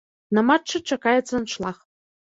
На матчы чакаецца аншлаг.